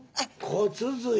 骨髄！